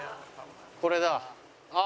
これだ。